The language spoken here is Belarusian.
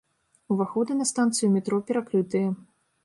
Уваходы на станцыю метро перакрытыя.